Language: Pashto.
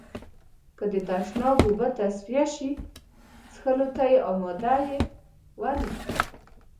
که د تشناب اوبه تصفيه شي، څښلو ته يې آماده يئ؟ ولې؟